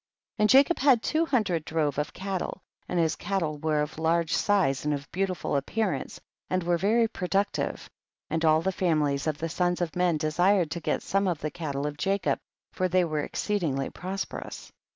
32. And Jacob had two hundred drove of cattle, and his cattle were of large size and of beautiful appear ance and were very productive, and all the famihes of the sons of men desired to get some of the cattle of Jacob, for they were exceedingly pros perous.